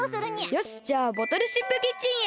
よしじゃあボトルシップキッチンへ。